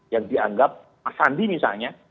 yang dianggap mas sandi misalnya